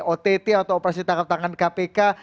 ott atau operasi tangkap tangan kpk